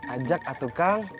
ajak atuh kang